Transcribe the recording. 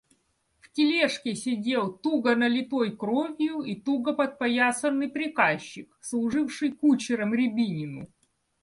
В тележке сидел туго налитой кровью и туго подпоясанный приказчик, служивший кучером Рябинину.